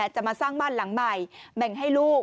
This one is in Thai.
จะมาสร้างบ้านหลังใหม่แบ่งให้ลูก